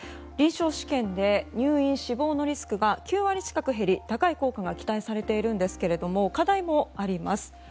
臨床試験で入院・死亡のリスクが９割近く減り高い効果が期待されているんですが課題もあります。